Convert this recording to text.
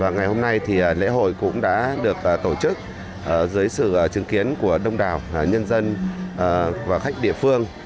ngày hôm nay lễ hội cũng đã được tổ chức dưới sự chứng kiến của đông đảo nhân dân và khách địa phương